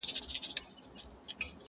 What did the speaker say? ولي هره ورځ اخته یو په غمونو!.